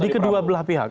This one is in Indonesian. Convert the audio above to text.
di kedua belah pihak